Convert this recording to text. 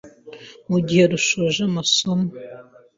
mu gihe rushoje amasomo